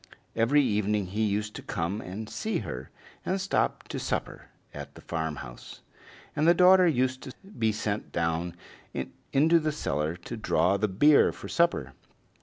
Every evening he used to come and see her, and stop to supper at the farmhouse, and the daughter used to be sent down into the cellar to draw the beer for supper.